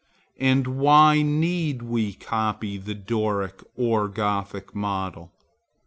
And why need we copy the Doric or the Gothic model?